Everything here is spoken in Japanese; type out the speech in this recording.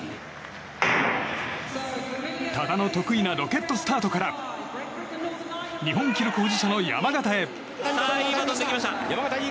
多田の得意なロケットスタートから日本記録保持者の山縣へ。